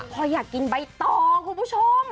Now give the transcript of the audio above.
พออยากกินใบตองคุณผู้ชม